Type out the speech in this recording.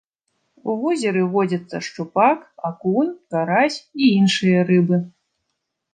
У возеры водзяцца шчупак, акунь, карась і іншыя рыбы.